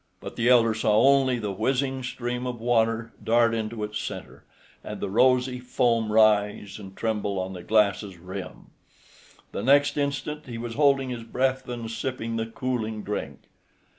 But the elder saw only the whizzing stream of water dart into its center, and the rosy foam rise and tremble on the glass's rim. The next instant he was holding his breath and sipping the cooling drink.